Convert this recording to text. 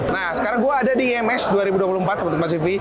nah sekarang gue ada di ems dua ribu dua puluh empat sahabat kompas tv